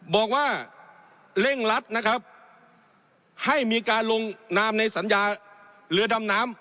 บอกว่าเร่งรัดนะครับให้มีการลงนามในสัญญาเรือดำน้ำ